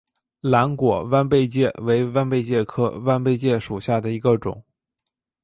蓝果弯贝介为弯贝介科弯贝介属下的一个种。